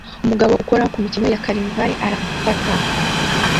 Umugabo ukora kumikino ya karnival arataka